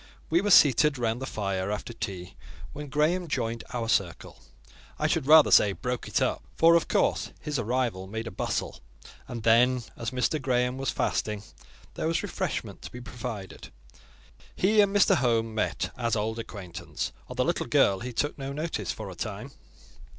We were seated round the fire, after tea, when Graham joined our circle: I should rather say, broke it up—for, of course, his arrival made a bustle; and then, as Mr. Graham was fasting, there was refreshment to be provided. He and Mr. Home met as old acquaintance; of the little girl he took no notice for a time.